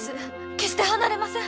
決して離れません！